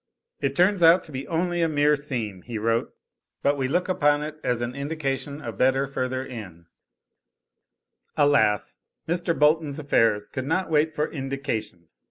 "It turns out to be only a mere seam," he wrote, "but we look upon it as an indication of better further in." Alas! Mr. Bolton's affairs could not wait for "indications."